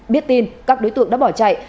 biết tin các đối tượng đã bỏ chạy